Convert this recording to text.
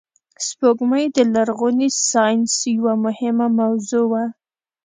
سپوږمۍ د لرغوني ساینس یوه مهمه موضوع وه